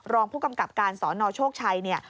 รองผู้กำกับการสนโชคชัยเนี่ย